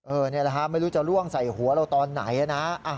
นี่แหละฮะไม่รู้จะล่วงใส่หัวเราตอนไหนนะ